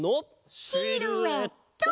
シルエット！